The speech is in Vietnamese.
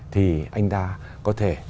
thì anh ta có thể